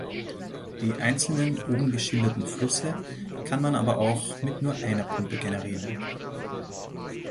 Die einzelnen oben geschilderten Flüsse kann man aber auch mit nur einer Pumpe generieren.